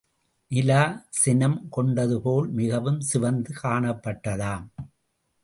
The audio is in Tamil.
நிலா சினம் கொண்டதுபோல் மிகவும் சிவந்து காணப்பட்டதாம்.